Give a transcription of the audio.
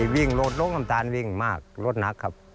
วิ่งรถลงน้ำตาลวิ่งมากรถหนักครับ